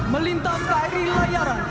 melintas kri layaran